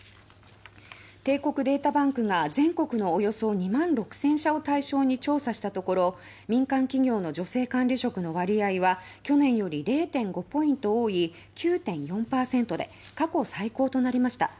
帝国データバンクが全国のおよそ２万６０００社を対象に調査したところ民間企業の女性管理職の割合は去年より０．５ポイント多い９．４％で過去最高となりました。